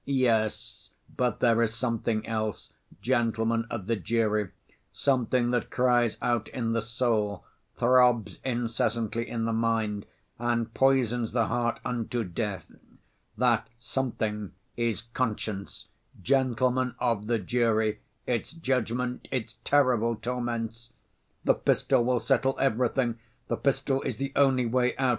Yes, but there is something else, gentlemen of the jury, something that cries out in the soul, throbs incessantly in the mind, and poisons the heart unto death—that something is conscience, gentlemen of the jury, its judgment, its terrible torments! The pistol will settle everything, the pistol is the only way out!